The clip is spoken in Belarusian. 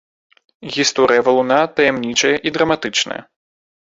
Гісторыя валуна таямнічая і драматычная.